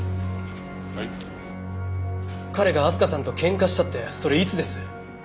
彼が明日香さんと喧嘩したってそれいつです？